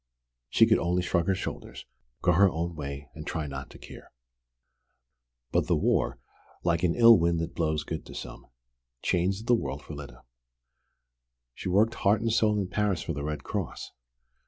She could only shrug her shoulders, go her own way, and try not to care! But the war, like an ill wind that blows good to some, changed the world for Lyda. She worked heart and soul in Paris for the Red Cross.